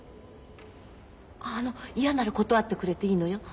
ああの嫌なら断ってくれていいのよ。